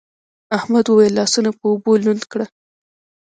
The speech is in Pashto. احمد وويل: لاسونه په اوبو لوند کړه.